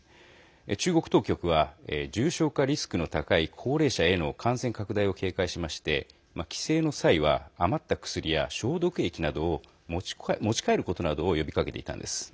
中国当局は重症化リスクの高い高齢者への感染拡大を警戒しまして帰省の際は余った薬や消毒液などを持ち帰ることなどを呼びかけていたんです。